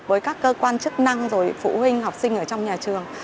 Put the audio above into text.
với các cơ quan chức năng rồi phụ huynh học sinh ở trong nhà trường